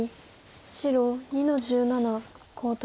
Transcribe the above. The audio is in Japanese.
白２の十七コウ取り。